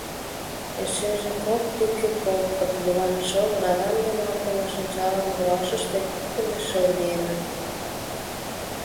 Эшеже кок тӱкӧ кол, подливан шыл, радам дене оптымо шинчалан руашыште кӱктымӧ шыл лийыныт.